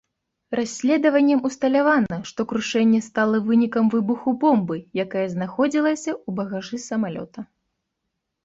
Расследаваннем усталявана, што крушэнне стала вынікам выбуху бомбы, якая знаходзілася ў багажы самалёта.